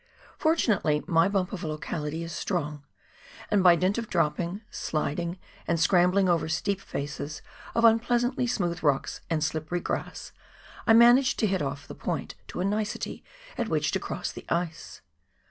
For tunately my bump of locality is strong, and by dint of dropping, sliding, and scrambling over steep faces of unpleasantly smooth rocks and slippery grass, I managed to hit off the point to a nicety, at which to cross the ice.